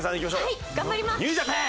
はい頑張ります！